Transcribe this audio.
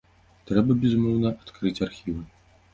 Трэба, безумоўна, адкрыць архівы.